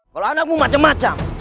kalau anakmu macam macam